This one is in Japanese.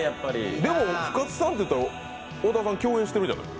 でも、深津さんっていったら小田さん共演してるじゃない。